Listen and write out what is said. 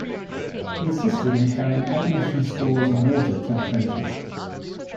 He assisted in carrying ammunition, stores and water to the trenches.